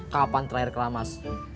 kapan terakhir keramas